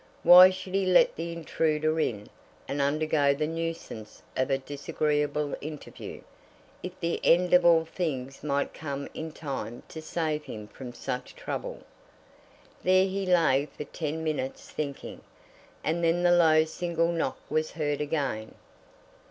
Why should he let the intruder in, and undergo the nuisance of a disagreeable interview, if the end of all things might come in time to save him from such trouble? There he lay for ten minutes thinking, and then the low single knock was heard again.